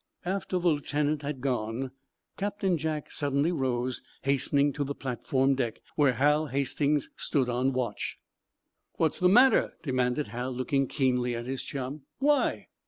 After the lieutenant had gone, Captain Jack suddenly rose, hastening to the platform deck, where Hal Hastings stood on watch. "What's the matter?" demanded Hal, looking keenly at his chum. "Why?"